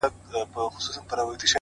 • پر وړو لویو خبرو نه جوړېږي,